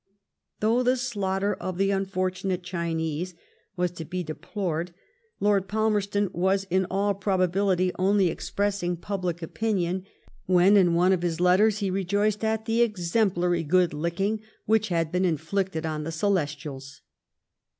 Though the slaughter of the un fortunate Chinese was to be deplored, Lord Palmerstoa was in all probability only expressing public opinion. ABERDEEN AT THE FOREIGN OFFICE. 87 wheq in one of his letters he rejoiced at the '* exemplary good licking " which had been inflicted on the Celes tials.